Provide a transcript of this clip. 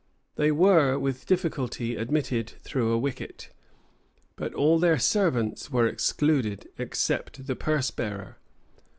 They were with difficulty admitted through a wicket; but all their servants were excluded, except the purse bearer.